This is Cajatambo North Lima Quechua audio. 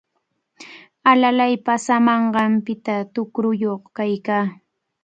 Alalay paasamanqanpita tuqruyuq kaykaa.